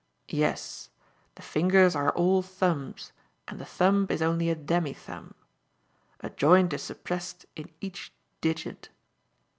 "Yes. The fingers are all thumbs, and the thumb is only a demi thumb. A joint is suppressed in each digit."